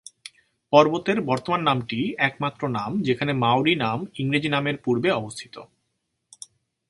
পর্বতের বর্তমান নামটিই একমাত্র নাম যেখানে মাওরি নাম ইংরেজি নামের পূর্বে অবস্থিত।